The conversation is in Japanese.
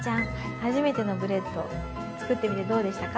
初めてのブレッド作ってみてどうでしたか？